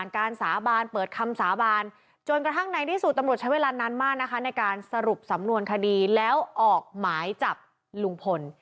ในการสรุปสำนวนคดีแล้วออกหมายจับลุงพล